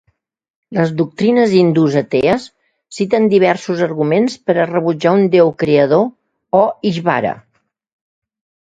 Les doctrines hindús atees citen diversos arguments per a rebutjar a un Déu creador o "Ishvara".